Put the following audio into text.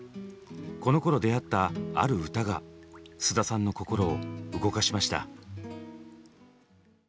このころ出会ったある歌が菅田さんの心を動かしました。